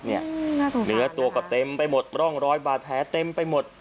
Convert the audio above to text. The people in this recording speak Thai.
เหนือตัวก็เต็มไปหมดร่องรอยบาดแผลเต็มไปหมด